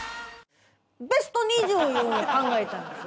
ベスト２０いうんを考えたんですよ。